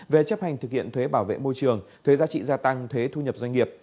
về chấp hành thực hiện thuế bảo vệ môi trường thuế giá trị gia tăng thuế thu nhập doanh nghiệp